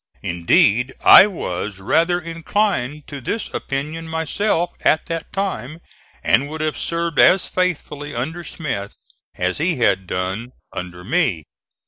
Indeed I was rather inclined to this opinion myself at that time, and would have served as faithfully under Smith as he had done under me.